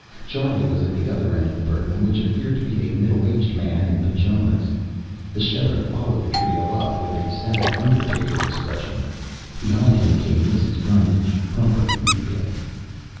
Charlie was at the other end of the burden, which appeared to be a middle aged man in pajamas. The Sheriff followed the trio up with a sad, undertaker expression. Behind him came Mrs. Brundage, properly weeping.